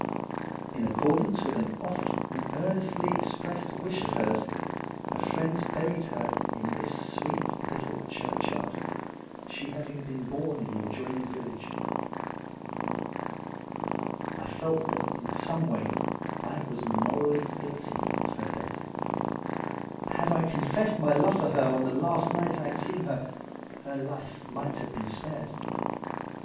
In accordance with an oft and earnestly expressed wish of hers, her friends buried her in this sweet little churchyard, she having been born in the adjoining village. I felt that in some way I was morally guilty of her death. RUTH 159 Had I confessed my love for her on the last night I had seen her, her life might have been spared.